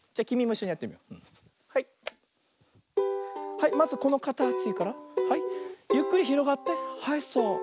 はいまずこのかたちからはいゆっくりひろがってはいそう。